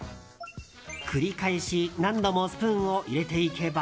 繰り返し何度もスプーンを入れていけば。